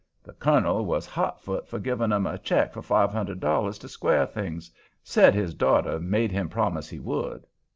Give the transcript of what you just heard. The colonel was hot foot for giving 'em a check for five hundred dollars to square things; said his daughter'd made him promise he would.